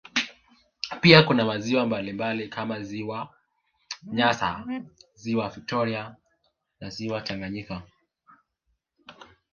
Pia kuna maziwa mbalimbali kama ziwa nyasa ziwa victoria na ziwa Tanganyika